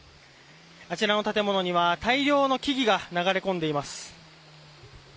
あちらの建物には大量の木々が流れ込んでいます。